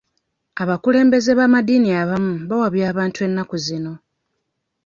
Abakulembeze b'amaddiini abamu bawabya abantu ennaku zino.